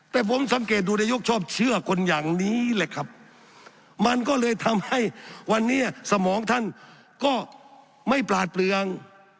แต่ผมสังเกตดูนายกชอบเชื่อคนอย่างนี้แหละครับมันก็เลยทำให้วันนี้สมองท่านก็ไม่ปลาเปลือง